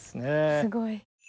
すごい。